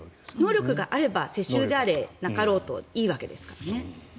能力があれば世襲であれ、なかろうといいわけですからね。